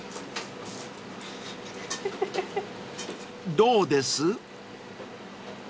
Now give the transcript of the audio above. ［どうです？］